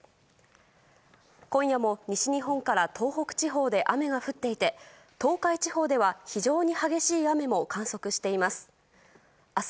今夜も、西日本から東北地方で雨が降っていて東海地方では非常に激しい雨も観測しています。